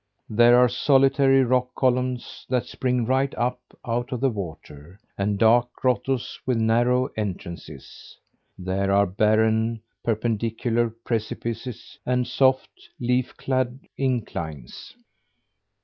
There are solitary rock columns that spring right up out of the water, and dark grottoes with narrow entrances. There are barren, perpendicular precipices, and soft, leaf clad inclines.